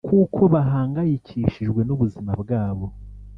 kuko bahangayikishijwe n’ubuzima bwabo